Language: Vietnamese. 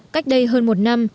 cách đây hơn một năm